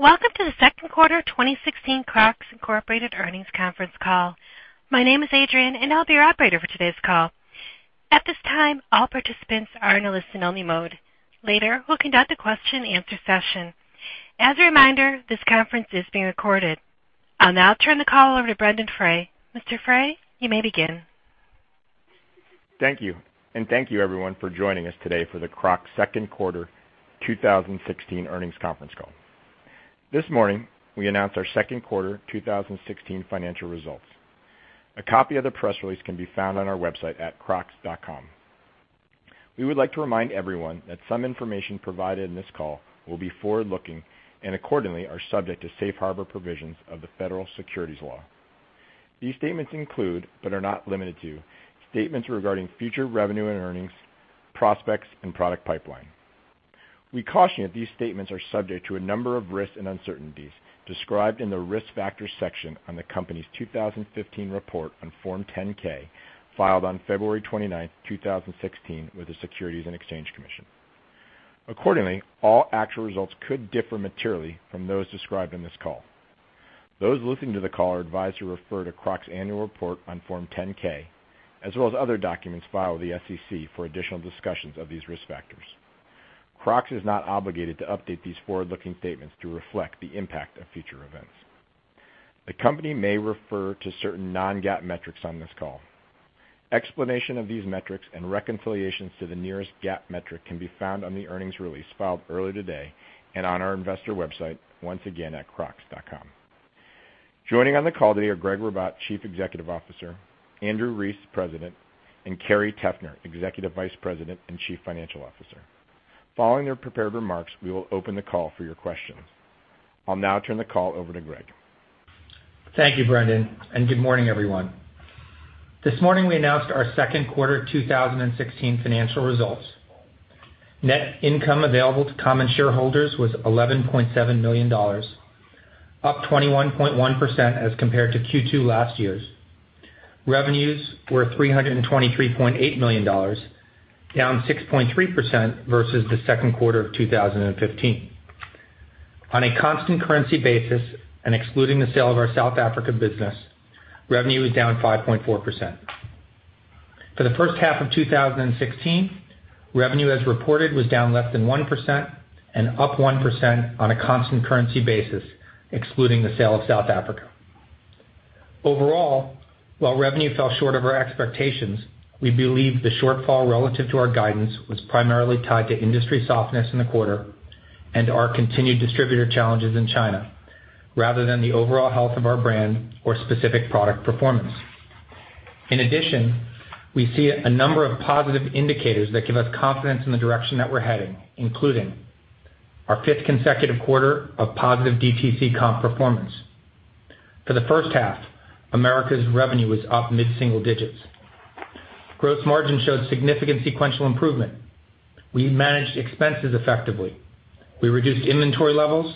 Welcome to the second quarter 2016 Crocs, Inc. earnings conference call. My name is Adrian, and I'll be your operator for today's call. At this time, all participants are in a listen only mode. Later, we'll conduct a question and answer session. As a reminder, this conference is being recorded. I'll now turn the call over to Brendon Frey. Mr. Frey, you may begin. Thank you. Thank you everyone for joining us today for the Crocs second quarter 2016 earnings conference call. This morning, we announced our second quarter 2016 financial results. A copy of the press release can be found on our website at crocs.com. We would like to remind everyone that some information provided in this call will be forward-looking and accordingly are subject to Safe Harbor provisions of the federal securities law. These statements include, but are not limited to, statements regarding future revenue and earnings, prospects, and product pipeline. We caution that these statements are subject to a number of risks and uncertainties described in the Risk Factors section on the company's 2015 report on Form 10-K, filed on February 29th, 2016, with the Securities and Exchange Commission. Accordingly, all actual results could differ materially from those described in this call. Those listening to the call are advised to refer to Crocs' annual report on Form 10-K, as well as other documents filed with the SEC for additional discussions of these risk factors. Crocs is not obligated to update these forward-looking statements to reflect the impact of future events. The company may refer to certain non-GAAP metrics on this call. Explanation of these metrics and reconciliations to the nearest GAAP metric can be found on the earnings release filed earlier today and on our investor website, once again, at crocs.com. Joining on the call today are Gregg Ribatt, Chief Executive Officer, Andrew Rees, President, and Carrie Teffner, Executive Vice President and Chief Financial Officer. Following their prepared remarks, we will open the call for your questions. I'll now turn the call over to Greg. Thank you, Brendon. Good morning, everyone. This morning, we announced our second quarter 2016 financial results. Net income available to common shareholders was $11.7 million, up 21.1% as compared to Q2 last year's. Revenues were $323.8 million, down 6.3% versus the second quarter of 2015. On a constant currency basis and excluding the sale of our South Africa business, revenue is down 5.4%. For the first half of 2016, revenue as reported was down less than 1% and up 1% on a constant currency basis, excluding the sale of South Africa. Overall, while revenue fell short of our expectations, we believe the shortfall relative to our guidance was primarily tied to industry softness in the quarter and our continued distributor challenges in China, rather than the overall health of our brand or specific product performance. In addition, we see a number of positive indicators that give us confidence in the direction that we're heading, including our fifth consecutive quarter of positive DTC comp performance. For the first half, Americas revenue was up mid-single digits. Gross margin showed significant sequential improvement. We managed expenses effectively. We reduced inventory levels,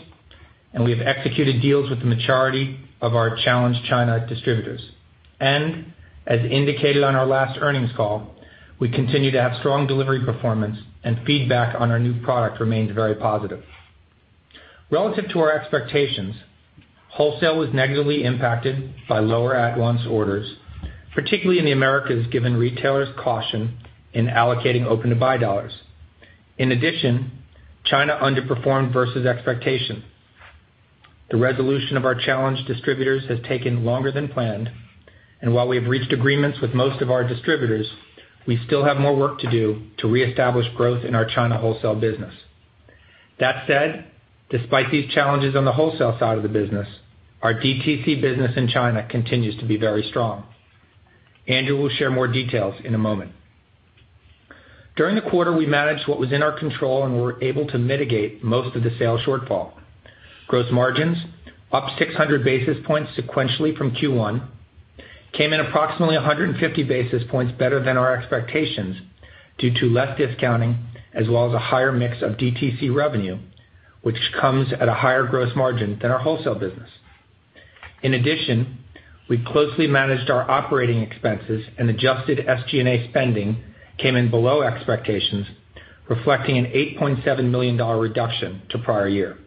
and we have executed deals with the majority of our challenged China distributors. As indicated on our last earnings call, we continue to have strong delivery performance, and feedback on our new product remained very positive. Relative to our expectations, wholesale was negatively impacted by lower at-once orders, particularly in the Americas, given retailers' caution in allocating open-to-buy dollars. In addition, China underperformed versus expectation. The resolution of our challenged distributors has taken longer than planned, and while we have reached agreements with most of our distributors, we still have more work to do to reestablish growth in our China wholesale business. That said, despite these challenges on the wholesale side of the business, our DTC business in China continues to be very strong. Andrew will share more details in a moment. During the quarter, we managed what was in our control and were able to mitigate most of the sales shortfall. Gross margins, up 600 basis points sequentially from Q1, came in approximately 150 basis points better than our expectations due to less discounting as well as a higher mix of DTC revenue, which comes at a higher gross margin than our wholesale business. In addition, we closely managed our operating expenses and adjusted SG&A spending came in below expectations, reflecting an $8.7 million reduction to prior year.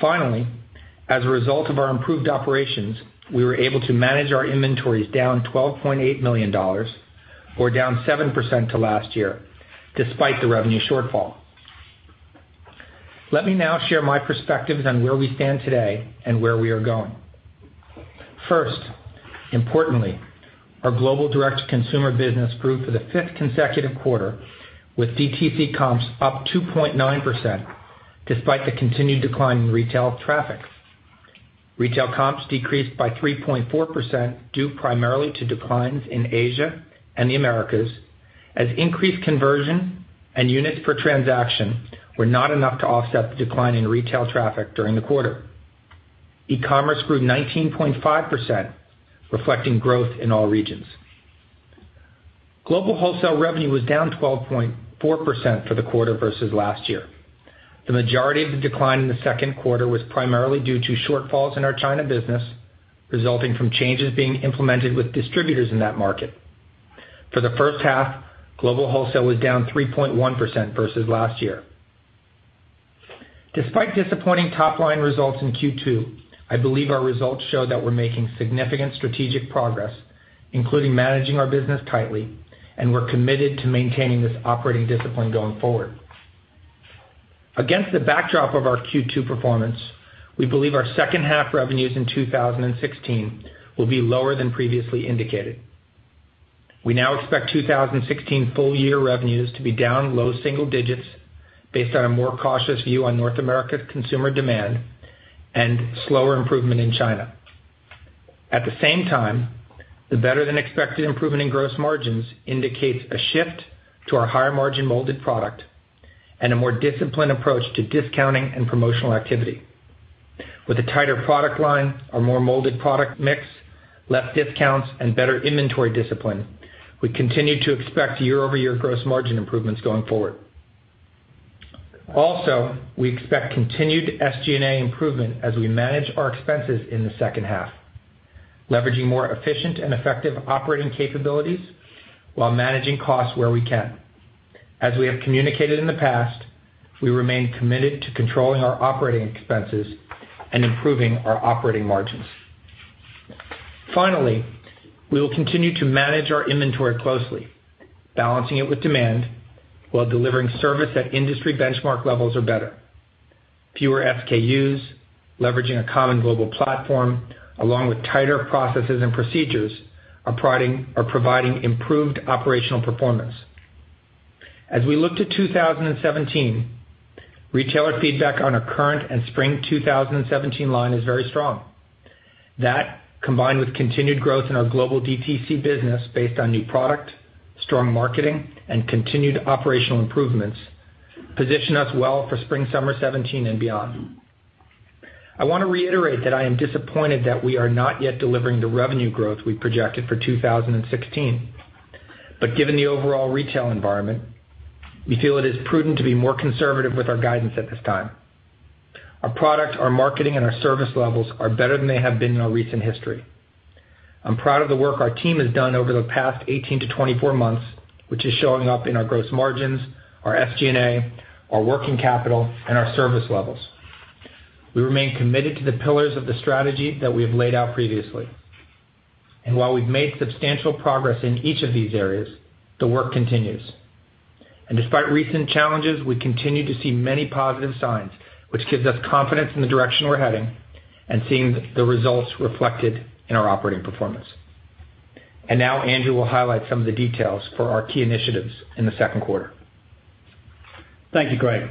Finally, as a result of our improved operations, we were able to manage our inventories down $12.8 million or down 7% to last year, despite the revenue shortfall. Let me now share my perspectives on where we stand today and where we are going. First, importantly, our global direct consumer business grew for the fifth consecutive quarter, with DTC comps up 2.9%, despite the continued decline in retail traffic. Retail comps decreased by 3.4% due primarily to declines in Asia and the Americas, as increased conversion and units per transaction were not enough to offset the decline in retail traffic during the quarter. E-commerce grew 19.5%, reflecting growth in all regions. Global wholesale revenue was down 12.4% for the quarter versus last year. The majority of the decline in the second quarter was primarily due to shortfalls in our China business, resulting from changes being implemented with distributors in that market. For the first half, global wholesale was down 3.1% versus last year. Despite disappointing top-line results in Q2, I believe our results show that we're making significant strategic progress, including managing our business tightly, and we're committed to maintaining this operating discipline going forward. Against the backdrop of our Q2 performance, we believe our second half revenues in 2016 will be lower than previously indicated. We now expect 2016 full-year revenues to be down low single digits based on a more cautious view on North America consumer demand and slower improvement in China. At the same time, the better than expected improvement in gross margins indicates a shift to our higher margin molded product and a more disciplined approach to discounting and promotional activity. With a tighter product line, our more molded product mix, less discounts, and better inventory discipline, we continue to expect year-over-year gross margin improvements going forward. Also, we expect continued SG&A improvement as we manage our expenses in the second half, leveraging more efficient and effective operating capabilities while managing costs where we can. As we have communicated in the past, we remain committed to controlling our operating expenses and improving our operating margins. Finally, we will continue to manage our inventory closely, balancing it with demand while delivering service at industry benchmark levels or better. Fewer SKUs, leveraging a common global platform along with tighter processes and procedures are providing improved operational performance. As we look to 2017, retailer feedback on our current and spring 2017 line is very strong. That, combined with continued growth in our global DTC business based on new product, strong marketing, and continued operational improvements, position us well for spring/summer 2017 and beyond. I want to reiterate that I am disappointed that we are not yet delivering the revenue growth we projected for 2016. Given the overall retail environment, we feel it is prudent to be more conservative with our guidance at this time. Our product, our marketing, and our service levels are better than they have been in our recent history. I'm proud of the work our team has done over the past 18 to 24 months, which is showing up in our gross margins, our SG&A, our working capital, and our service levels. We remain committed to the pillars of the strategy that we have laid out previously. While we've made substantial progress in each of these areas, the work continues. Despite recent challenges, we continue to see many positive signs, which gives us confidence in the direction we're heading and seeing the results reflected in our operating performance. Now Andrew will highlight some of the details for our key initiatives in the second quarter. Thank you, Greg.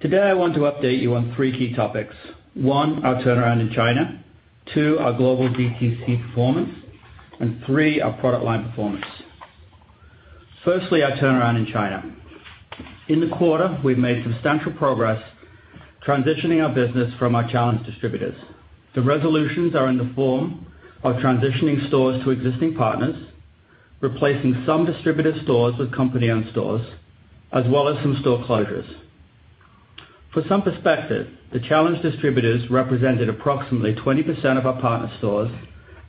Today, I want to update you on three key topics. One, our turnaround in China. Two, our global DTC performance, and three, our product line performance. Firstly, our turnaround in China. In the quarter, we've made substantial progress transitioning our business from our challenged distributors. The resolutions are in the form of transitioning stores to existing partners, replacing some distributor stores with company-owned stores, as well as some store closures. For some perspective, the challenged distributors represented approximately 20% of our partner stores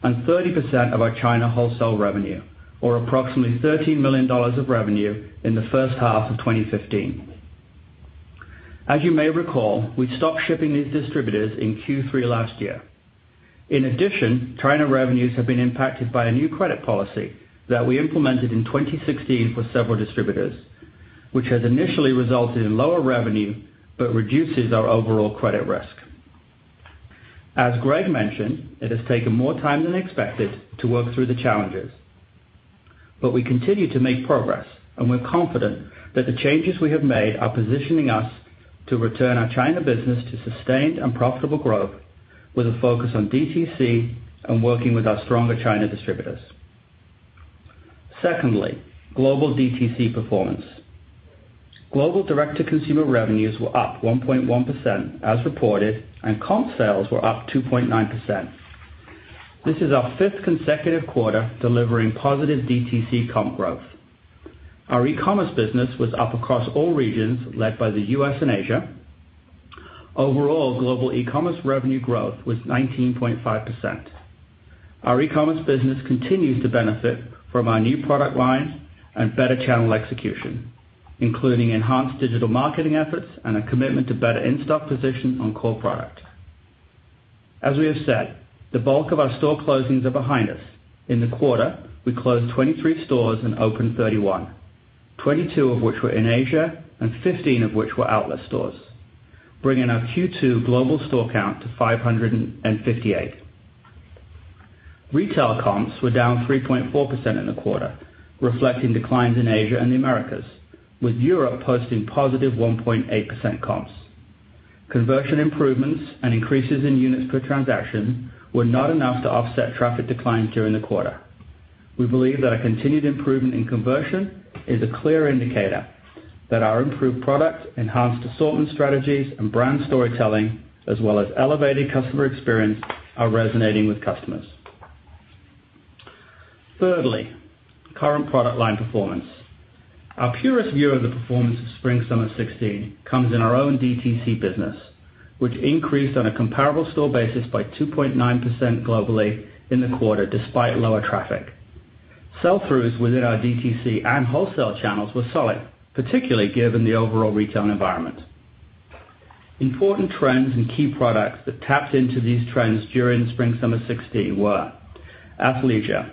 and 30% of our China wholesale revenue, or approximately $13 million of revenue in the first half of 2015. As you may recall, we stopped shipping these distributors in Q3 last year. In addition, China revenues have been impacted by a new credit policy that we implemented in 2016 for several distributors, which has initially resulted in lower revenue but reduces our overall credit risk. As Gregg mentioned, it has taken more time than expected to work through the challenges. We continue to make progress, and we're confident that the changes we have made are positioning us to return our China business to sustained and profitable growth with a focus on DTC and working with our stronger China distributors. Secondly, global DTC performance. Global direct-to-consumer revenues were up 1.1% as reported, and comp sales were up 2.9%. This is our fifth consecutive quarter delivering positive DTC comp growth. Our e-commerce business was up across all regions, led by the U.S. and Asia. Overall, global e-commerce revenue growth was 19.5%. Our e-commerce business continues to benefit from our new product lines and better channel execution, including enhanced digital marketing efforts and a commitment to better in-stock position on core product. As we have said, the bulk of our store closings are behind us. In the quarter, we closed 23 stores and opened 31, 22 of which were in Asia and 15 of which were outlet stores, bringing our Q2 global store count to 558. Retail comps were down 3.4% in the quarter, reflecting declines in Asia and the Americas, with Europe posting positive 1.8% comps. Conversion improvements and increases in units per transaction were not enough to offset traffic declines during the quarter. We believe that a continued improvement in conversion is a clear indicator that our improved product, enhanced assortment strategies and brand storytelling, as well as elevated customer experience, are resonating with customers. Thirdly, current product line performance. Our purest view of the performance of spring/summer 2016 comes in our own DTC business, which increased on a comparable store basis by 2.9% globally in the quarter, despite lower traffic. Sell-throughs within our DTC and wholesale channels were solid, particularly given the overall retail environment. Important trends and key products that tapped into these trends during spring/summer 2016 were athleisure.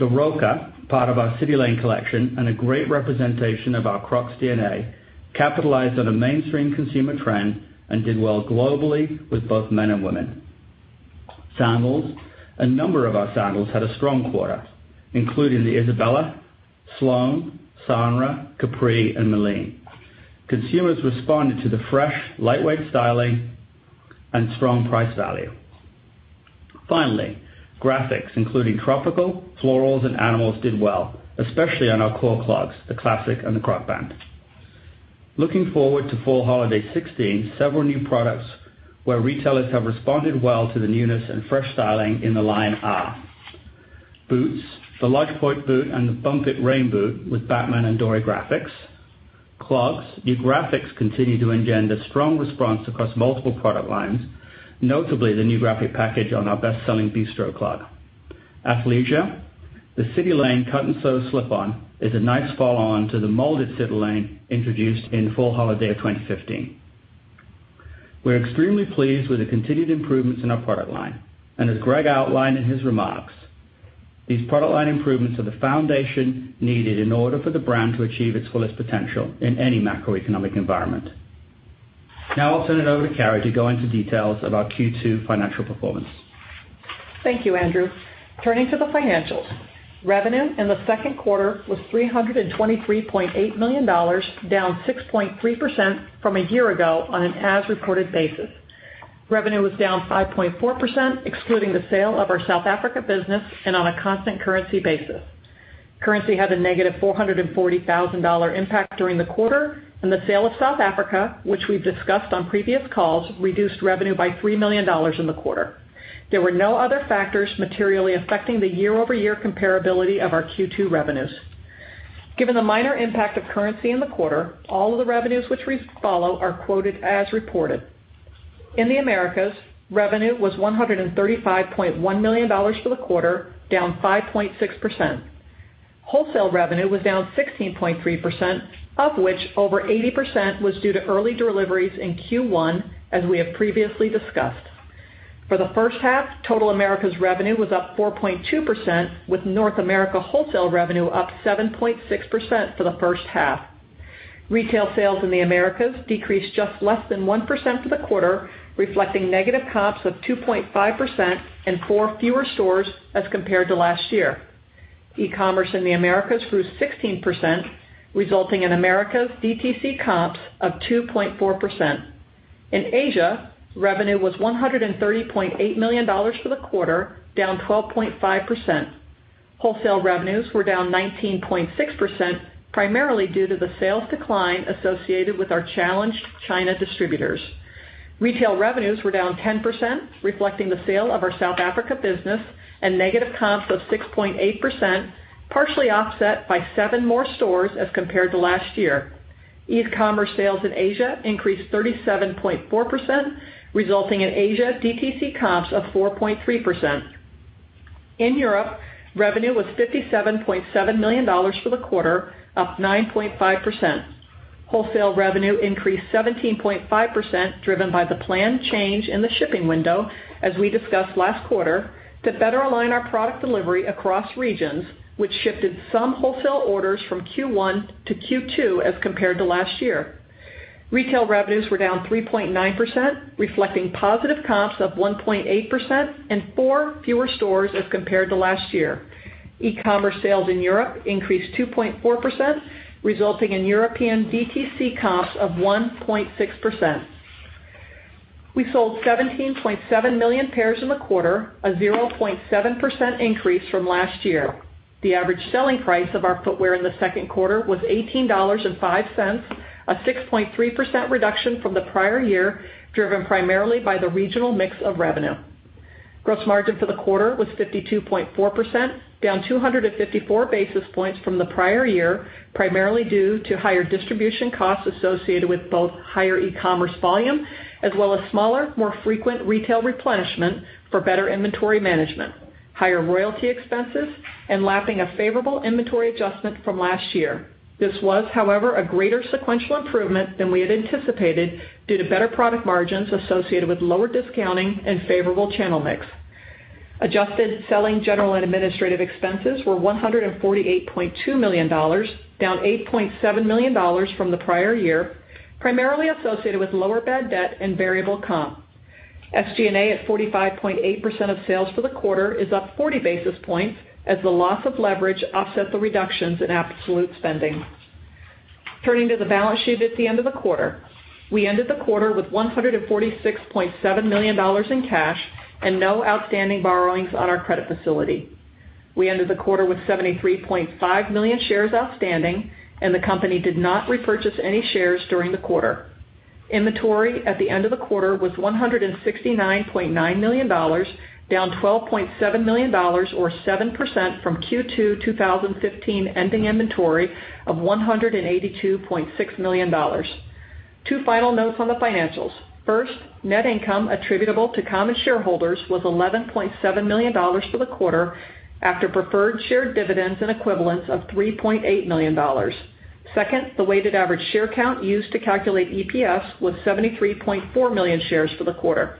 The Roka, part of our CitiLane collection and a great representation of our Crocs DNA, capitalized on a mainstream consumer trend and did well globally with both men and women. Sandals. A number of our sandals had a strong quarter, including the Isabella, Sloane, Sanrah, Capri, and Malindi. Consumers responded to the fresh, lightweight styling and strong price value. Finally, graphics including tropical, florals, and animals did well, especially on our core clogs, the Classic and the Crocband. Looking forward to fall holiday 2016, several new products where retailers have responded well to the newness and fresh styling in the line are boots, the LodgePoint boot and the Bump It rain boot with Batman and Dory graphics. Clogs, new graphics continue to engender strong response across multiple product lines, notably the new graphic package on our best-selling Bistro clog. Athleisure, the CitiLane cut-and-sew slip-on is a nice follow-on to the molded CitiLane introduced in fall holiday of 2015. We're extremely pleased with the continued improvements in our product line, and as Gregg outlined in his remarks, these product line improvements are the foundation needed in order for the brand to achieve its fullest potential in any macroeconomic environment. Now I'll turn it over to Carrie to go into details of our Q2 financial performance. Thank you, Andrew. Turning to the financials. Revenue in the second quarter was $323.8 million, down 6.3% from a year ago on an as-reported basis. Revenue was down 5.4%, excluding the sale of our South Africa business and on a constant currency basis. Currency had a negative $440,000 impact during the quarter, and the sale of South Africa, which we've discussed on previous calls, reduced revenue by $3 million in the quarter. There were no other factors materially affecting the year-over-year comparability of our Q2 revenues. Given the minor impact of currency in the quarter, all of the revenues which we follow are quoted as reported. In the Americas, revenue was $135.1 million for the quarter, down 5.6%. Wholesale revenue was down 16.3%, of which over 80% was due to early deliveries in Q1, as we have previously discussed. For the first half, total Americas revenue was up 4.2%, with North America wholesale revenue up 7.6% for the first half. Retail sales in the Americas decreased just less than 1% for the quarter, reflecting negative comps of 2.5% and 4 fewer stores as compared to last year. E-commerce in the Americas grew 16%, resulting in Americas DTC comps of 2.4%. In Asia, revenue was $130.8 million for the quarter, down 12.5%. Wholesale revenues were down 19.6%, primarily due to the sales decline associated with our challenged China distributors. Retail revenues were down 10%, reflecting the sale of our South Africa business and negative comps of 6.8%, partially offset by 7 more stores as compared to last year. E-commerce sales in Asia increased 37.4%, resulting in Asia DTC comps of 4.3%. In Europe, revenue was $57.7 million for the quarter, up 9.5%. Wholesale revenue increased 17.5%, driven by the planned change in the shipping window, as we discussed last quarter, to better align our product delivery across regions, which shifted some wholesale orders from Q1 to Q2 as compared to last year. Retail revenues were down 3.9%, reflecting positive comps of 1.8% and 4 fewer stores as compared to last year. E-commerce sales in Europe increased 2.4%, resulting in European DTC comps of 1.6%. We sold 17.7 million pairs in the quarter, a 0.7% increase from last year. The average selling price of our footwear in the second quarter was $18.05, a 6.3% reduction from the prior year, driven primarily by the regional mix of revenue. Gross margin for the quarter was 52.4%, down 254 basis points from the prior year, primarily due to higher distribution costs associated with both higher e-commerce volume as well as smaller, more frequent retail replenishment for better inventory management, higher royalty expenses, and lapping a favorable inventory adjustment from last year. This was, however, a greater sequential improvement than we had anticipated due to better product margins associated with lower discounting and favorable channel mix. Adjusted selling, general, and administrative expenses were $148.2 million, down $8.7 million from the prior year, primarily associated with lower bad debt and variable comp. SG&A at 45.8% of sales for the quarter is up 40 basis points as the loss of leverage offset the reductions in absolute spending. Turning to the balance sheet at the end of the quarter. We ended the quarter with $146.7 million in cash and no outstanding borrowings on our credit facility. We ended the quarter with 73.5 million shares outstanding, and the company did not repurchase any shares during the quarter. Inventory at the end of the quarter was $169.9 million, down $12.7 million, or 7%, from Q2 2015 ending inventory of $182.6 million. Two final notes on the financials. First, net income attributable to common shareholders was $11.7 million for the quarter after preferred shared dividends and equivalents of $3.8 million. Second, the weighted average share count used to calculate EPS was 73.4 million shares for the quarter.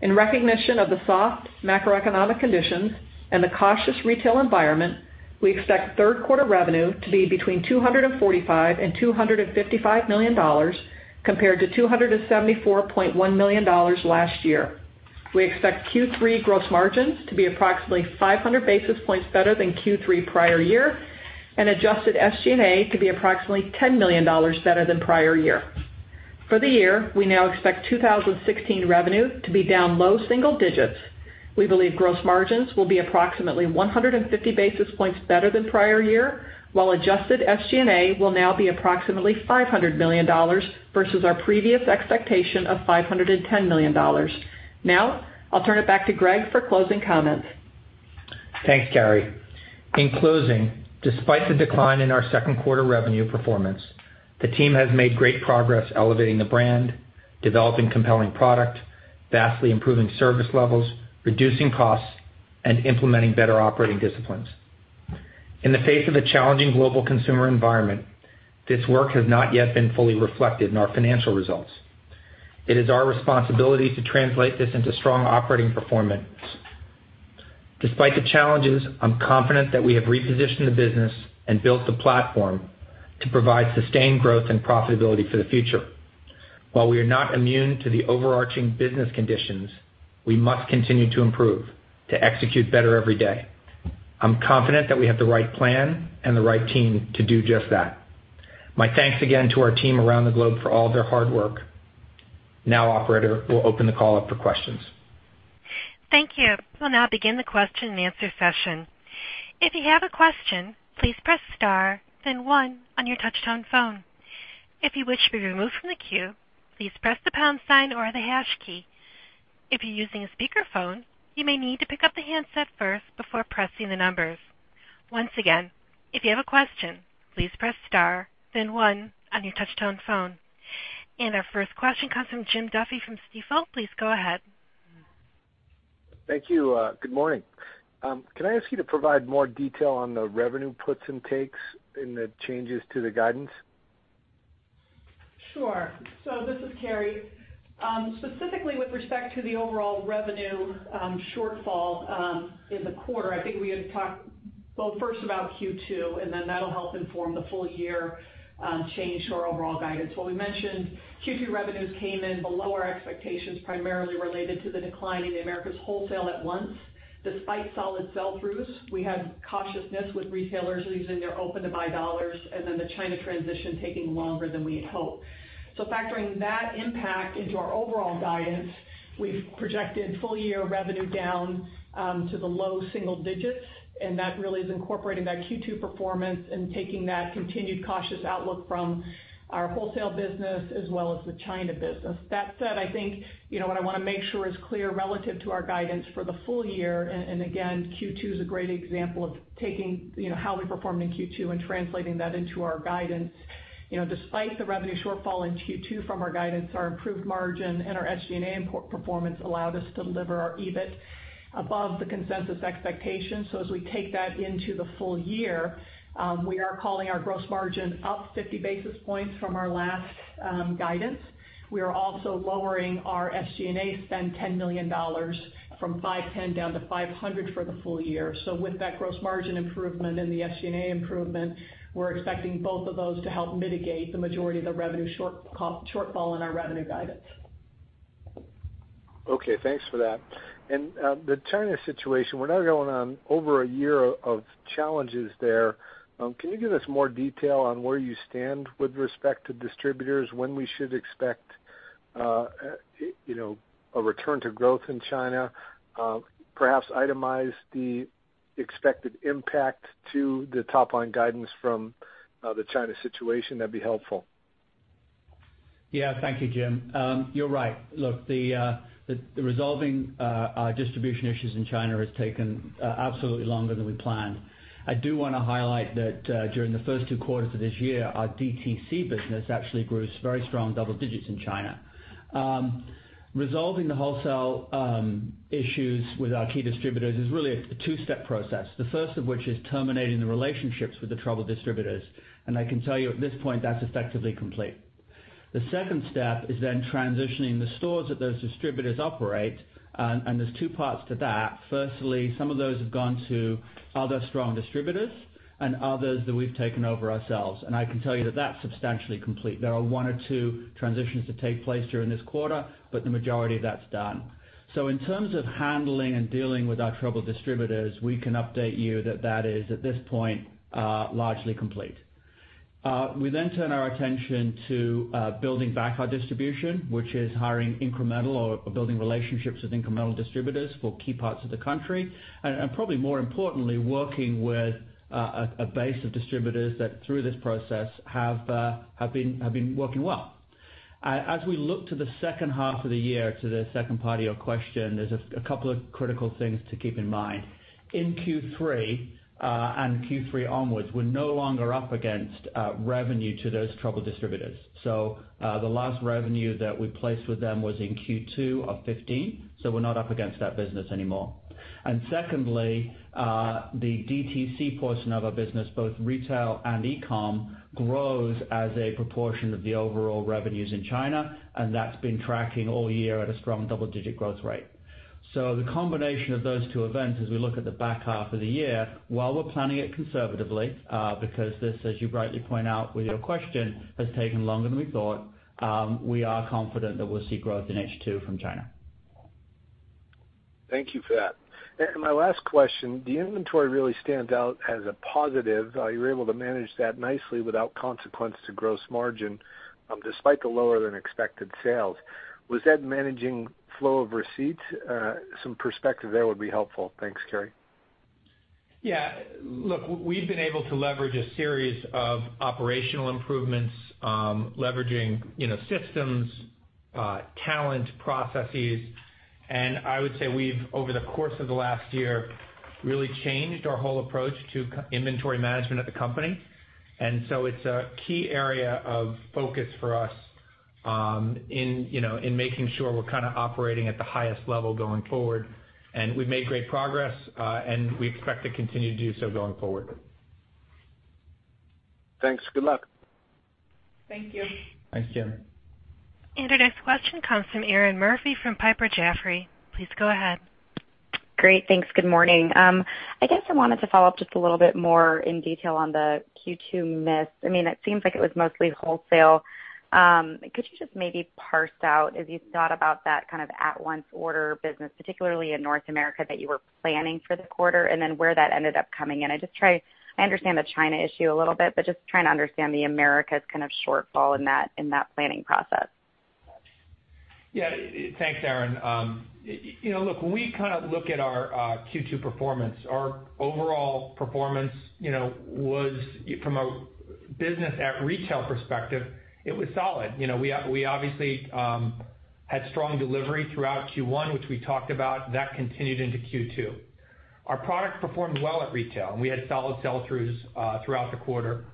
In recognition of the soft macroeconomic conditions and the cautious retail environment, we expect third quarter revenue to be between $245 million and $255 million, compared to $274.1 million last year. We expect Q3 gross margins to be approximately 500 basis points better than Q3 prior year, and adjusted SG&A to be approximately $10 million better than prior year. For the year, we now expect 2016 revenue to be down low single digits. We believe gross margins will be approximately 150 basis points better than prior year, while adjusted SG&A will now be approximately $500 million versus our previous expectation of $510 million. I'll turn it back to Gregg for closing comments. Thanks, Carrie. In closing, despite the decline in our second quarter revenue performance, the team has made great progress elevating the brand, developing compelling product, vastly improving service levels, reducing costs, and implementing better operating disciplines. In the face of a challenging global consumer environment, this work has not yet been fully reflected in our financial results. It is our responsibility to translate this into strong operating performance. Despite the challenges, I'm confident that we have repositioned the business and built the platform to provide sustained growth and profitability for the future. While we are not immune to the overarching business conditions, we must continue to improve, to execute better every day. I'm confident that we have the right plan and the right team to do just that. My thanks again to our team around the globe for all of their hard work. Operator, we'll open the call up for questions. Thank you. We'll now begin the question and answer session. If you have a question, please press star then one on your touch tone phone. If you wish to be removed from the queue, please press the pound sign or the hash key. If you're using a speakerphone, you may need to pick up the handset first before pressing the numbers. Once again, if you have a question, please press star then one on your touch tone phone. Our first question comes from Jim Duffy from Stifel. Please go ahead. Thank you. Good morning. Can I ask you to provide more detail on the revenue puts and takes and the changes to the guidance? Sure. This is Carrie. Specifically with respect to the overall revenue shortfall in the quarter, I think we had talked, well, first about Q2, then that'll help inform the full-year change to our overall guidance. What we mentioned, Q2 revenues came in below our expectations, primarily related to the decline in the Americas wholesale at once. Despite solid sell-throughs, we had cautiousness with retailers using their open-to-buy dollars, then the China transition taking longer than we had hoped. Factoring that impact into our overall guidance, we've projected full-year revenue down to the low single digits, that really is incorporating that Q2 performance and taking that continued cautious outlook from our wholesale business as well as the China business. That said, I think what I want to make sure is clear relative to our guidance for the full year, again, Q2 is a great example of taking how we performed in Q2 and translating that into our guidance. Despite the revenue shortfall in Q2 from our guidance, our improved margin and our SG&A performance allowed us to deliver our EBIT above the consensus expectations. As we take that into the full year, we are calling our gross margin up 50 basis points from our last guidance. We are also lowering our SG&A spend $10 million from 510 down to 500 for the full year. With that gross margin improvement and the SG&A improvement, we're expecting both of those to help mitigate the majority of the shortfall in our revenue guidance. Okay, thanks for that. The China situation, we're now going on over a year of challenges there. Can you give us more detail on where you stand with respect to distributors, when we should expect a return to growth in China? Perhaps itemize the expected impact to the top-line guidance from the China situation. That'd be helpful. Yeah. Thank you, Jim. You're right. Look, resolving our distribution issues in China has taken absolutely longer than we planned. I do want to highlight that during the first two quarters of this year, our DTC business actually grew very strong double digits in China. Resolving the wholesale issues with our key distributors is really a two-step process, the first of which is terminating the relationships with the troubled distributors. I can tell you at this point, that's effectively complete. The second step is transitioning the stores that those distributors operate, and there's two parts to that. Firstly, some of those have gone to other strong distributors, and others that we've taken over ourselves. I can tell you that that's substantially complete. There are one or two transitions to take place during this quarter, but the majority of that's done. In terms of handling and dealing with our troubled distributors, we can update you that that is, at this point, largely complete. We turn our attention to building back our distribution, which is hiring incremental or building relationships with incremental distributors for key parts of the country, and probably more importantly, working with a base of distributors that through this process have been working well. As we look to the second half of the year, to the second part of your question, there's a couple of critical things to keep in mind. In Q3 onwards, we're no longer up against revenue to those troubled distributors. The last revenue that we placed with them was in Q2 of 2015, so we're not up against that business anymore. Secondly, the DTC portion of our business, both retail and e-com, grows as a proportion of the overall revenues in China, and that's been tracking all year at a strong double-digit growth rate. The combination of those two events, as we look at the back half of the year, while we're planning it conservatively, because this, as you rightly point out with your question, has taken longer than we thought, we are confident that we'll see growth in H2 from China. Thank you for that. My last question, the inventory really stands out as a positive. You were able to manage that nicely without consequence to gross margin, despite the lower than expected sales. Was that managing flow of receipts? Some perspective there would be helpful. Thanks, Carrie. Look, we've been able to leverage a series of operational improvements, leveraging systems, talent, processes, I would say we've, over the course of the last year, really changed our whole approach to inventory management at the company. It's a key area of focus for us in making sure we're kind of operating at the highest level going forward. We've made great progress, and we expect to continue to do so going forward. Thanks. Good luck. Thank you. Thanks, Jim. Our next question comes from Erinn Murphy from Piper Jaffray. Please go ahead. Great. Thanks. Good morning. I guess I wanted to follow up just a little bit more in detail on the Q2 miss. It seems like it was mostly wholesale. Could you just maybe parse out as you thought about that kind of at-once order business, particularly in North America, that you were planning for the quarter, and then where that ended up coming in? I understand the China issue a little bit, but just trying to understand the Americas kind of shortfall in that planning process. Yeah. Thanks, Erinn. When we look at our Q2 performance, our overall performance was from a business at retail perspective, it was solid. We obviously had strong delivery throughout Q1, which we talked about. That continued into Q2. Our product performed well at retail, and we had solid sell-throughs throughout the quarter.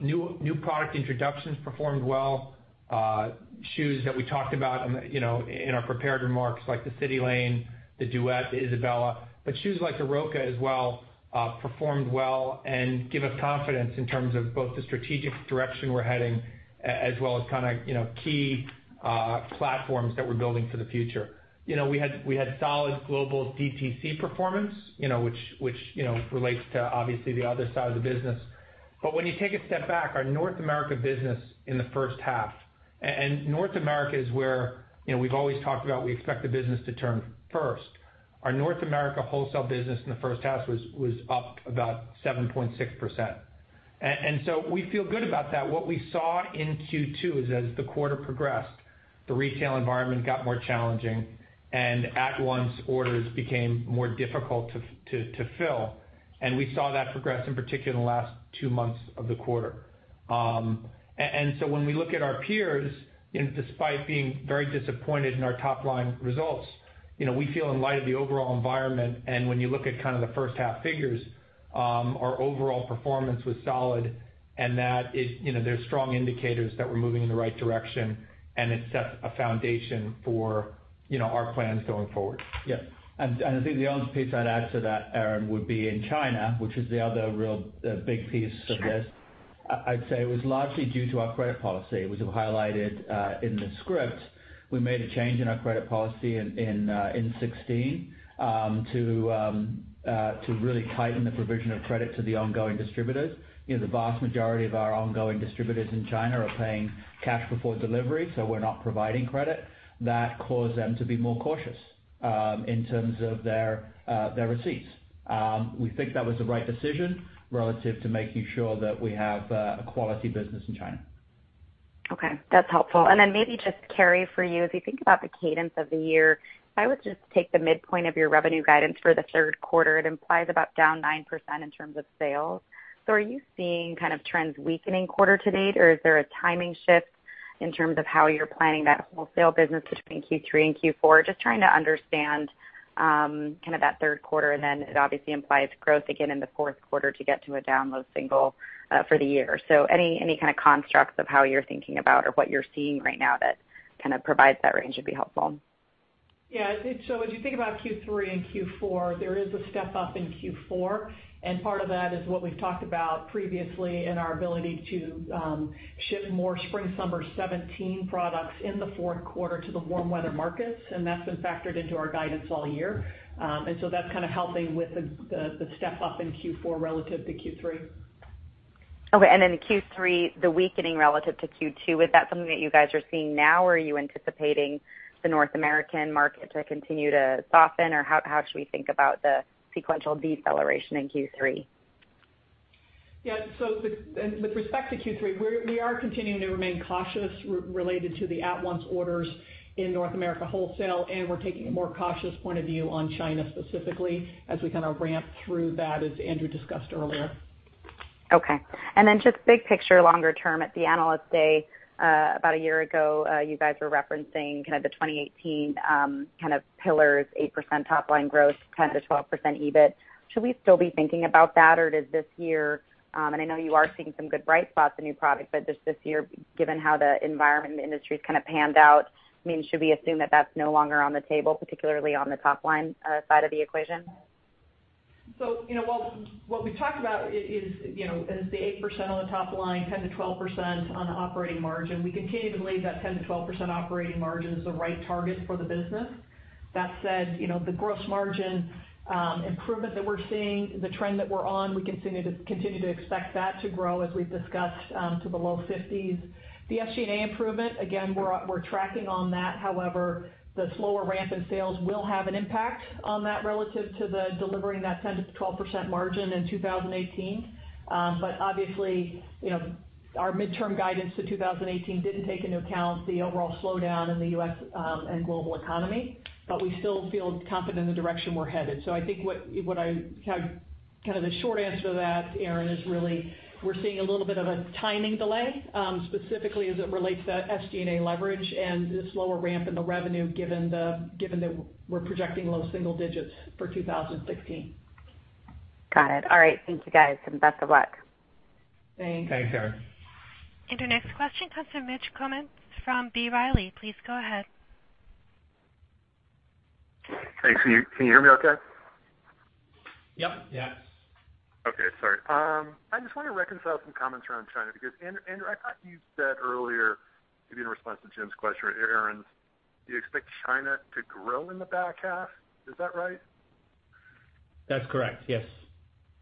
New product introductions performed well. Shoes that we talked about in our prepared remarks, like the CitiLane, the Duet, the Isabella, but shoes like the Roka as well performed well and give us confidence in terms of both the strategic direction we're heading as well as key platforms that we're building for the future. We had solid global DTC performance, which relates to, obviously, the other side of the business. When you take a step back, our North America business in the first half. North America is where we've always talked about we expect the business to turn first. Our North America wholesale business in the first half was up about 7.6%. We feel good about that. What we saw in Q2 is as the quarter progressed, the retail environment got more challenging, and at-once orders became more difficult to fill, and we saw that progress in particular in the last two months of the quarter. When we look at our peers, despite being very disappointed in our top-line results, we feel in light of the overall environment, and when you look at the first half figures, our overall performance was solid and there's strong indicators that we're moving in the right direction, and it sets a foundation for our plans going forward. Yeah. I think the only piece I'd add to that, Erinn, would be in China, which is the other real big piece of this. Sure. I'd say it was largely due to our credit policy, which we highlighted in the script. We made a change in our credit policy in 2016 to really tighten the provision of credit to the ongoing distributors. The vast majority of our ongoing distributors in China are paying cash before delivery, so we're not providing credit. That caused them to be more cautious in terms of their receipts. We think that was the right decision relative to making sure that we have a quality business in China. Okay. That's helpful. Maybe just Carrie, for you, as you think about the cadence of the year, if I would just take the midpoint of your revenue guidance for the third quarter, it implies about down 9% in terms of sales. Are you seeing trends weakening quarter to date, or is there a timing shift in terms of how you're planning that wholesale business between Q3 and Q4? Just trying to understand that third quarter, and then it obviously implies growth again in the fourth quarter to get to a down low single for the year. Any kind of constructs of how you're thinking about or what you're seeing right now that provides that range would be helpful. Yeah. As you think about Q3 and Q4, there is a step-up in Q4, and part of that is what we've talked about previously in our ability to ship more spring/summer '17 products in the fourth quarter to the warm weather markets, and that's been factored into our guidance all year. That's kind of helping with the step-up in Q4 relative to Q3. Okay. Q3, the weakening relative to Q2, is that something that you guys are seeing now, or are you anticipating the North American market to continue to soften, or how should we think about the sequential deceleration in Q3? Yeah. With respect to Q3, we are continuing to remain cautious related to the at-once orders in North America wholesale, and we're taking a more cautious point of view on China specifically as we kind of ramp through that, as Andrew discussed earlier. Okay. Just big picture, longer term. At the Analyst Day, about one year ago, you guys were referencing the 2018 pillars, 8% top-line growth, 10%-12% EBIT. Should we still be thinking about that or does this year, and I know you are seeing some good bright spots in new products, but does this year, given how the environment in the industry has panned out, should we assume that that's no longer on the table, particularly on the top-line side of the equation? What we've talked about is the 8% on the top-line, 10%-12% on the operating margin. We continue to believe that 10%-12% operating margin is the right target for the business. That said, the gross margin improvement that we're seeing, the trend that we're on, we continue to expect that to grow, as we've discussed, to the low 50s. The SG&A improvement, again, we're tracking on that. However, the slower ramp in sales will have an impact on that relative to delivering that 10%-12% margin in 2018. Obviously, our midterm guidance to 2018 didn't take into account the overall slowdown in the U.S. and global economy. We still feel confident in the direction we're headed. I think the short answer to that, Erinn, is really, we're seeing a little bit of a timing delay, specifically as it relates to SG&A leverage and the slower ramp in the revenue, given that we're projecting low single digits for 2016. Got it. All right. Thank you, guys, and best of luck. Thanks. Thanks, Erinn. Our next question comes from Mitch Kummetz from B. Riley. Please go ahead. Hey, can you hear me okay? Yep. Yeah. Okay. Sorry. I just want to reconcile some comments around China, because Andrew, I thought you said earlier, maybe in response to Jim's question or Erinn's, you expect China to grow in the back half. Is that right? That's correct, yes.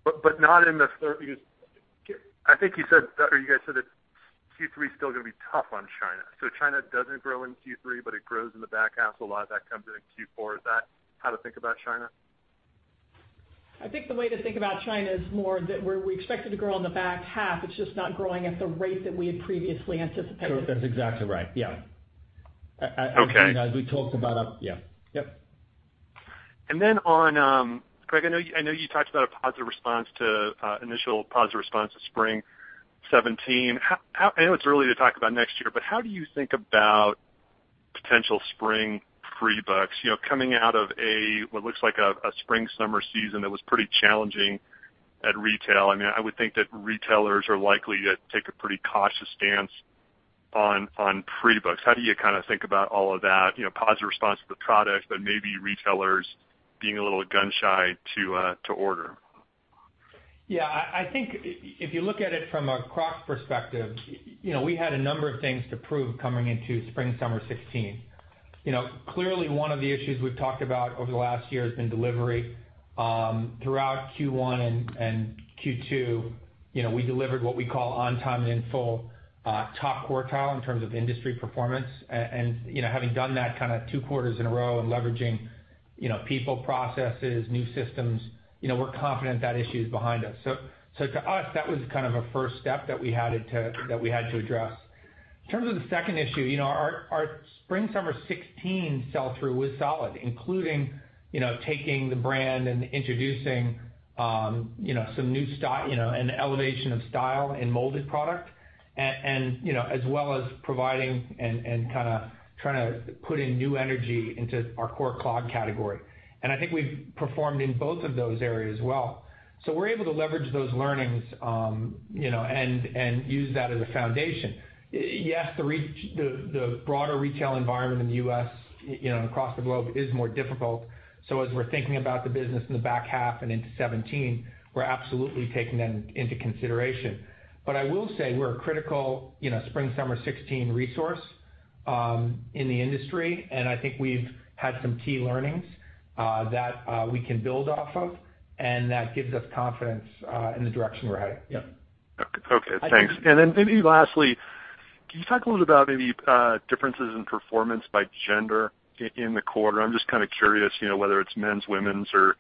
Not because I think you guys said that Q3 is still going to be tough on China. China doesn't grow in Q3, but it grows in the back half, so a lot of that comes in in Q4. Is that how to think about China? I think the way to think about China is more that we expect it to grow in the back half. It's just not growing at the rate that we had previously anticipated. That's exactly right. Yeah. Okay. As we talked about. Yeah. Then on, Gregg, I know you talked about an initial positive response to spring 2017. I know it's early to talk about next year, but how do you think about potential spring pre-books? Coming out of what looks like a spring/summer season that was pretty challenging at retail, I would think that retailers are likely to take a pretty cautious stance on pre-books. How do you think about all of that? Positive response to the product, but maybe retailers being a little gun-shy to order. Yeah. I think if you look at it from a Crocs perspective, we had a number of things to prove coming into spring/summer 2016. Clearly, one of the issues we've talked about over the last year has been delivery. Throughout Q1 and Q2, we delivered what we call on time and in full top quartile in terms of industry performance. Having done that two quarters in a row and leveraging people, processes, new systems, we're confident that issue is behind us. To us, that was a first step that we had to address. In terms of the second issue, our spring/summer 2016 sell-through was solid, including taking the brand and introducing some new stock, and the elevation of style in molded product, as well as providing and trying to put in new energy into our core clog category. I think we've performed in both of those areas well. We're able to leverage those learnings, and use that as a foundation. Yes, the broader retail environment in the U.S. and across the globe is more difficult. As we're thinking about the business in the back half and into 2017, we're absolutely taking that into consideration. I will say we're a critical spring/summer 2016 resource in the industry, and I think we've had some key learnings that we can build off of, and that gives us confidence in the direction we're headed. Yeah. Okay, thanks. Lastly, can you talk a little about maybe differences in performance by gender in the quarter? I'm just curious, whether it's men's, women's, or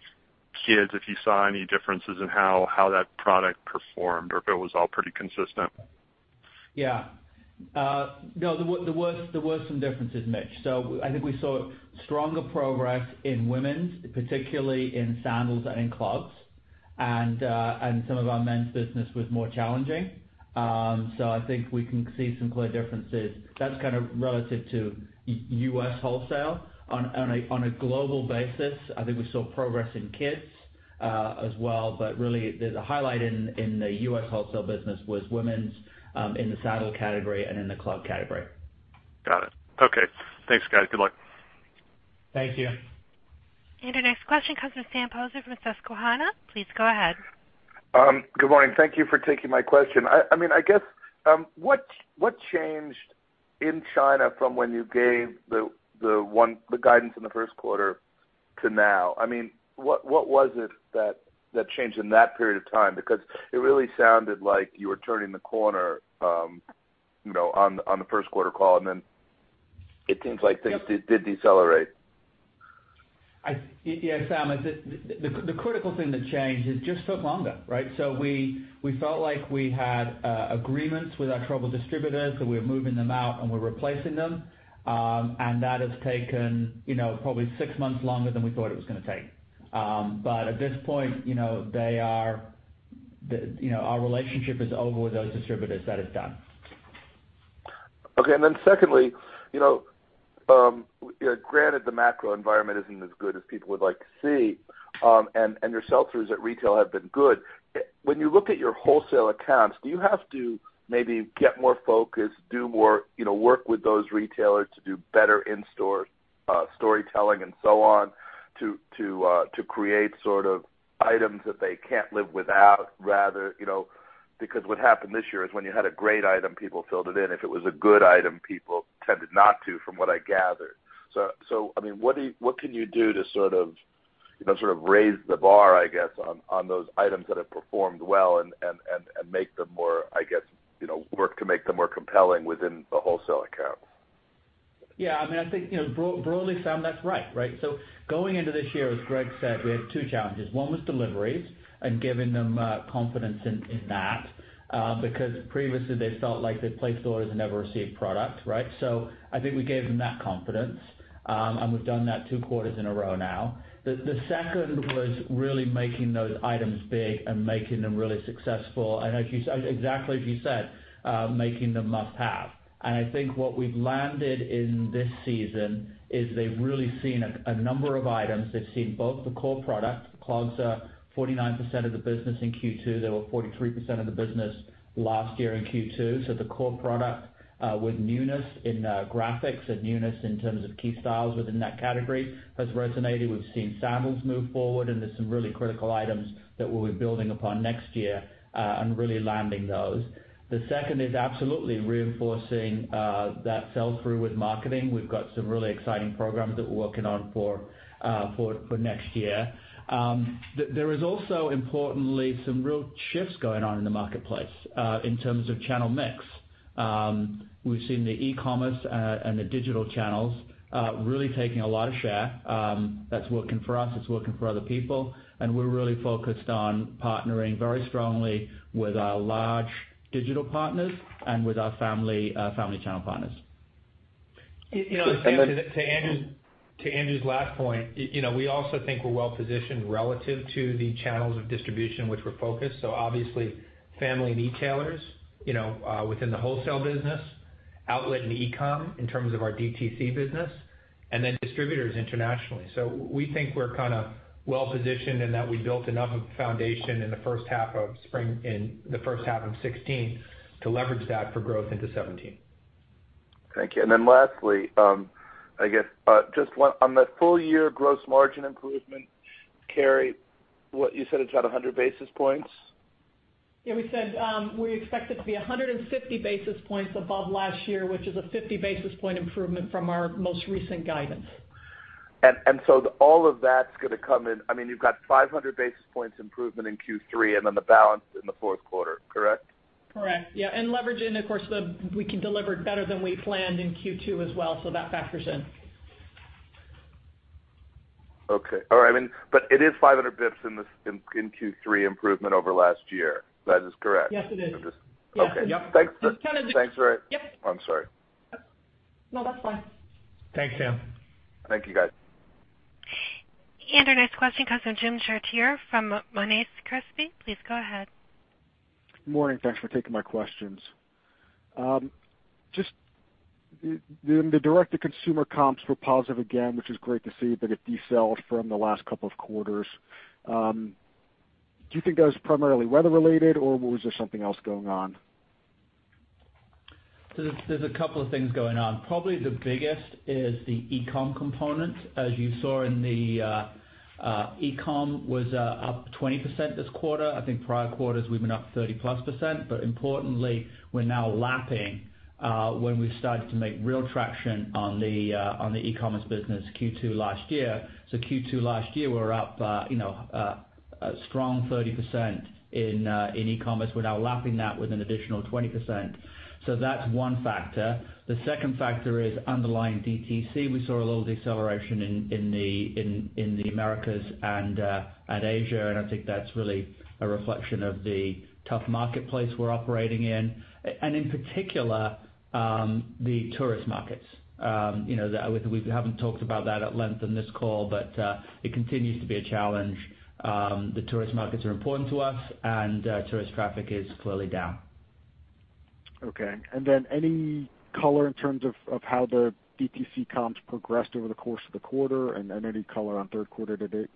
kids, if you saw any differences in how that product performed, or if it was all pretty consistent. Yeah. There were some differences, Mitch. I think we saw stronger progress in women's, particularly in sandals and in clogs. Some of our men's business was more challenging. I think we can see some clear differences. That's kind of relative to U.S. wholesale. On a global basis, I think we saw progress in kids as well, really, the highlight in the U.S. wholesale business was women's in the sandal category and in the clog category. Got it. Okay. Thanks, guys. Good luck. Thank you. Our next question comes from Sam Poser from Susquehanna. Please go ahead. Good morning. Thank you for taking my question. I guess, what changed in China from when you gave the guidance in the first quarter to now? What was it that changed in that period of time? It really sounded like you were turning the corner on the first quarter call, and then it seems like things did decelerate. Yeah, Sam, the critical thing that changed, it just took longer. We felt like we had agreements with our troubled distributors, so we were moving them out and we're replacing them. That has taken probably six months longer than we thought it was going to take. At this point, our relationship is over with those distributors. That is done. Okay. Secondly, granted the macro environment isn't as good as people would like to see, and your sell-throughs at retail have been good. When you look at your wholesale accounts, do you have to maybe get more focused, do more work with those retailers to do better in-store storytelling and so on, to create items that they can't live without, rather? What happened this year is when you had a great item, people filled it in. If it was a good item, people tended not to, from what I gathered. What can you do to sort of raise the bar, I guess, on those items that have performed well and make them more, I guess, work to make them more compelling within the wholesale accounts? I think, broadly, Sam, that's right. Going into this year, as Gregg said, we had two challenges. One was deliveries and giving them confidence in that, because previously they felt like they'd placed orders and never received product. I think we gave them that confidence, and we've done that two quarters in a row now. The second was really making those items big and making them really successful. Exactly as you said, making them must-have. I think what we've landed in this season is they've really seen a number of items. They've seen both the core product. Clogs are 49% of the business in Q2. They were 43% of the business last year in Q2. The core product, with newness in graphics and newness in terms of key styles within that category, has resonated. We've seen sandals move forward, there's some really critical items that we'll be building upon next year and really landing those. The second is absolutely reinforcing that sell-through with marketing. We've got some really exciting programs that we're working on for next year. There is also, importantly, some real shifts going on in the marketplace in terms of channel mix. We've seen the e-commerce and the digital channels really taking a lot of share. That's working for us. It's working for other people, and we're really focused on partnering very strongly with our large digital partners and with our family channel partners. Sam, to Andrew's last point, we also think we're well positioned relative to the channels of distribution which we're focused. Obviously family and e-tailers within the wholesale business, outlet and e-com in terms of our DTC business, and then distributors internationally. We think we're kind of well positioned and that we built enough of a foundation in the first half of 2016 to leverage that for growth into 2017. Thank you. Lastly, I guess just on the full year gross margin improvement, Carrie, what you said it's at 100 basis points? Yeah. We said we expect it to be 150 basis points above last year, which is a 50 basis point improvement from our most recent guidance. All of that's going to come in. You've got 500 basis points improvement in Q3, then the balance in the fourth quarter, correct? Correct. Yeah, and leverage and of course, we can deliver better than we planned in Q2 as well. That factors in. Okay. All right. It is 500 basis points in Q3 improvement over last year. That is correct? Yes, it is. Okay. Yep. Thanks. It's counted. Thanks. Right. Yep. I'm sorry. No, that's fine. Thanks, Sam. Thank you guys. Andrew, next question comes from Jim Chartier from Monness, Crespi. Please go ahead. Morning. Thanks for taking my questions. The direct-to-consumer comps were positive again, which is great to see, but it decelerated from the last couple of quarters. Do you think that was primarily weather related, or was there something else going on? There's a couple of things going on. Probably the biggest is the e-com component. As you saw, e-com was up 20% this quarter. I think prior quarters we've been up 30%+, but importantly, we're now lapping when we started to make real traction on the e-commerce business Q2 last year. Q2 last year, we were up a strong 30% in e-commerce. We're now lapping that with an additional 20%. That's one factor. The second factor is underlying DTC. We saw a little deceleration in the Americas and at Asia, and I think that's really a reflection of the tough marketplace we're operating in. In particular, the tourist markets. We haven't talked about that at length in this call, but it continues to be a challenge. The tourist markets are important to us, and tourist traffic is clearly down. Okay. Any color in terms of how the DTC comps progressed over the course of the quarter? Any color on third quarter to date?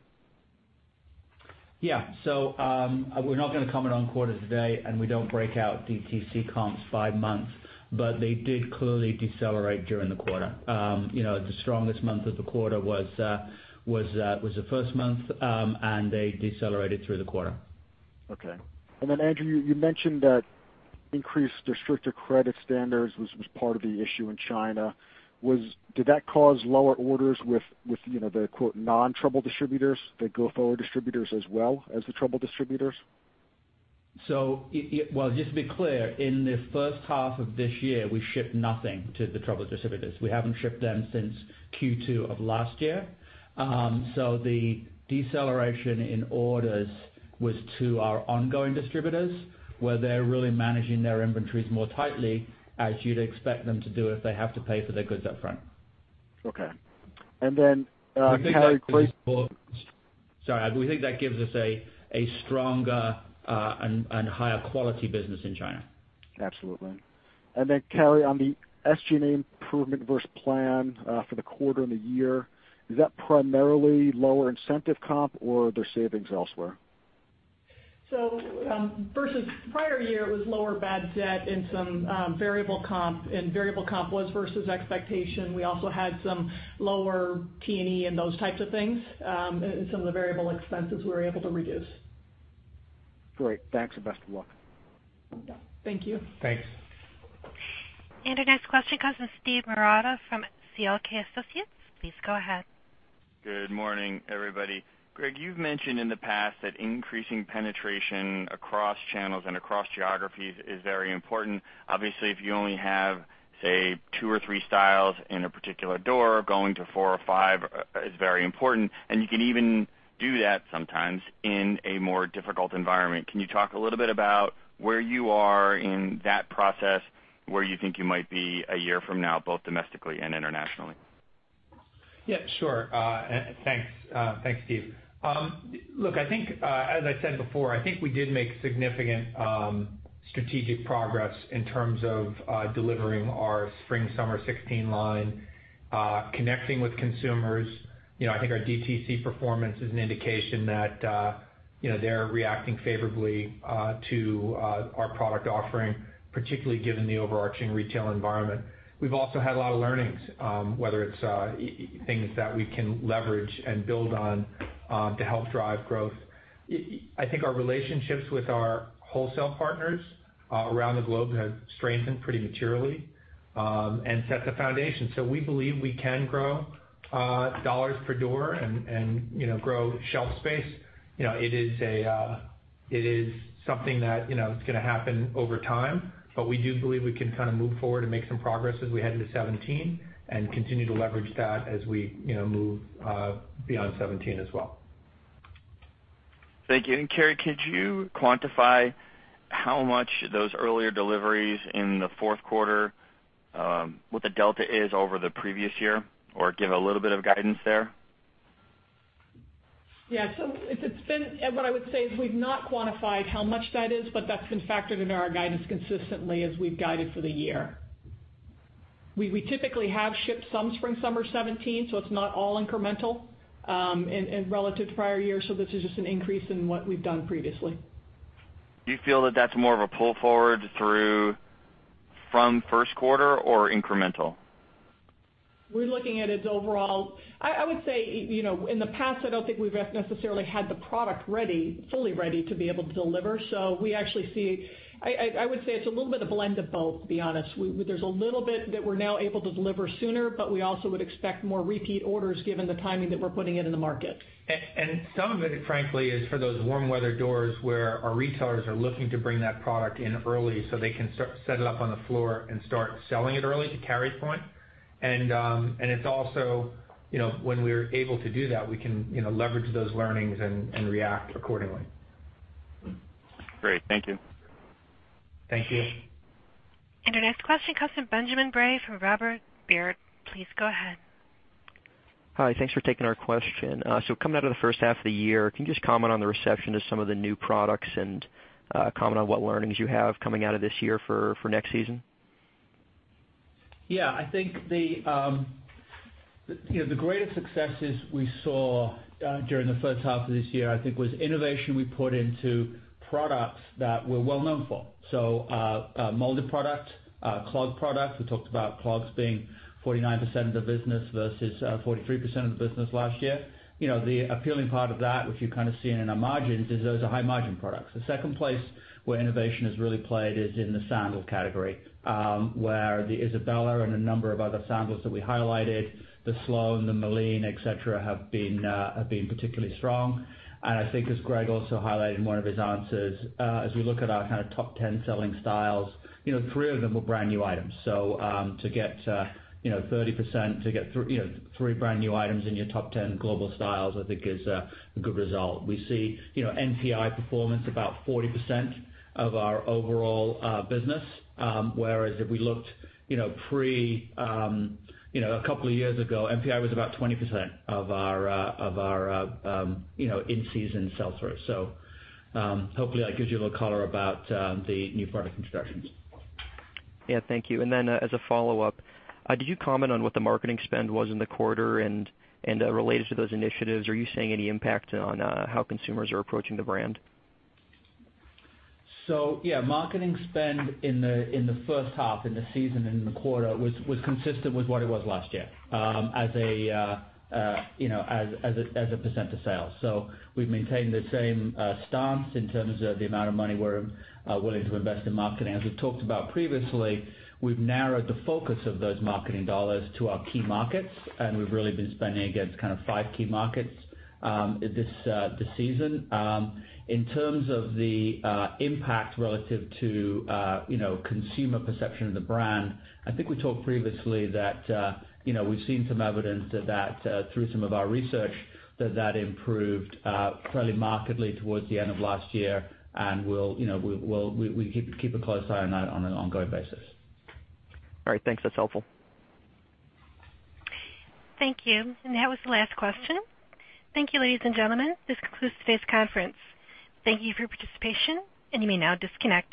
Yeah. We're not going to comment on quarter to date, and we don't break out DTC comps five months. They did clearly decelerate during the quarter. The strongest month of the quarter was the first month, and they decelerated through the quarter. Okay. Andrew, you mentioned that increased or stricter credit standards was part of the issue in China. Did that cause lower orders with the quote, "non-troubled distributors," the go-forward distributors as well as the troubled distributors? Just to be clear, in the first half of this year, we shipped nothing to the troubled distributors. We haven't shipped them since Q2 of last year. The deceleration in orders was to our ongoing distributors, where they're really managing their inventories more tightly, as you'd expect them to do if they have to pay for their goods up front. Okay. Carrie- Sorry. We think that gives us a stronger and higher quality business in China. Absolutely. Carrie, on the SG&A improvement versus plan for the quarter and the year, is that primarily lower incentive comp or are there savings elsewhere? Versus prior year, it was lower bad debt and some variable comp, and variable comp was versus expectation. We also had some lower T&E and those types of things, and some of the variable expenses we were able to reduce. Great. Thanks, and best of luck. Yeah. Thank you. Thanks. Our next question comes from Steve Marotta from C.L. King & Associates. Please go ahead. Good morning, everybody. Gregg, you've mentioned in the past that increasing penetration across channels and across geographies is very important. Obviously, if you only have, say, two or three styles in a particular door, going to four or five is very important, and you can even do that sometimes in a more difficult environment. Can you talk a little bit about where you are in that process, where you think you might be a year from now, both domestically and internationally? Yeah, sure. Thanks. Thanks, Steve. I think, as I said before, I think we did make significant strategic progress in terms of delivering our spring/summer 2016 line, connecting with consumers. I think our DTC performance is an indication that they're reacting favorably to our product offering, particularly given the overarching retail environment. We've also had a lot of learnings, whether it's things that we can leverage and build on to help drive growth. I think our relationships with our wholesale partners around the globe have strengthened pretty materially, and set the foundation. We believe we can grow $ per door and grow shelf space. It is something that's gonna happen over time, but we do believe we can move forward and make some progress as we head into 2017, and continue to leverage that as we move beyond 2017 as well. Thank you. Carrie, could you quantify how much those earlier deliveries in the fourth quarter, what the delta is over the previous year? Give a little bit of guidance there? What I would say is we've not quantified how much that is, that's been factored into our guidance consistently as we've guided for the year. We typically have shipped some spring/summer 2017, it's not all incremental, relative to prior years, this is just an increase in what we've done previously. Do you feel that that's more of a pull forward through from first quarter or incremental? We're looking at it as overall. I would say, in the past, I don't think we've necessarily had the product fully ready to be able to deliver. I would say it's a little bit of a blend of both, to be honest. There's a little bit that we're now able to deliver sooner, we also would expect more repeat orders given the timing that we're putting it in the market. Some of it, frankly, is for those warm weather doors where our retailers are looking to bring that product in early so they can set it up on the floor and start selling it early, to Carrie's point. It's also, when we're able to do that, we can leverage those learnings and react accordingly. Great. Thank you. Thank you. Our next question comes from Benjamin Bray from Robert W. Baird. Please go ahead. Hi. Thanks for taking our question. Coming out of the first half of the year, can you just comment on the reception to some of the new products and comment on what learnings you have coming out of this year for next season? I think the greatest successes we saw during the first half of this year, I think, was innovation we put into products that we are well-known for. Molded product, clog product. We talked about clogs being 49% of the business versus 43% of the business last year. The appealing part of that, which you have seen in our margins, is those are high-margin products. The second place where innovation has really played is in the sandal category, where the Isabella and a number of other sandals that we highlighted, the Sloane, the Malindi, et cetera, have been particularly strong. I think as Gregg also highlighted in one of his answers, as we look at our top 10 selling styles, three of them were brand-new items. To get 30%, to get three brand-new items in your top 10 global styles, I think is a good result. We see NPI performance about 40% of our overall business. Whereas if we looked pre a couple of years ago, NPI was about 20% of our in-season sell-through. Hopefully that gives you a little color about the new product introductions. Thank you. As a follow-up, did you comment on what the marketing spend was in the quarter? Related to those initiatives, are you seeing any impact on how consumers are approaching the brand? Yeah, marketing spend in the first half, in the season, in the quarter, was consistent with what it was last year as a % of sales. We've maintained the same stance in terms of the amount of money we're willing to invest in marketing. As we've talked about previously, we've narrowed the focus of those marketing dollars to our key markets, and we've really been spending against five key markets this season. In terms of the impact relative to consumer perception of the brand, I think we talked previously that we've seen some evidence that through some of our research, that that improved fairly markedly towards the end of last year, and we keep a close eye on that on an ongoing basis. All right. Thanks. That's helpful. Thank you. That was the last question. Thank you, ladies and gentlemen. This concludes today's conference. Thank you for your participation, and you may now disconnect.